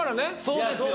そうですよ